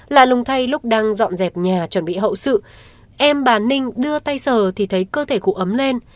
là lùng thay lúc đang dọn dẹp nhà chuẩn bị hậu sự em bà ninh đưa tay sờ thì thấy cơ thể cụ ấm lên